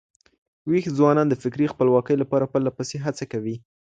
ويښ ځوانان د فکري خپلواکۍ لپاره پرله پسې هڅه کوي.